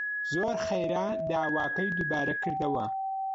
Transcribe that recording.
زۆر خێرا داواکەی دووبارە کردەوە